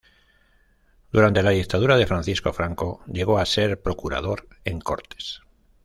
Durante la dictadura de Francisco Franco llegó a ser procurador en Cortes.